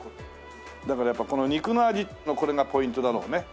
だからやっぱ肉の味のこれがポイントだろうね。